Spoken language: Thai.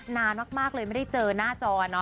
นานมากเลยไม่ได้เจอหน้าจอเนอ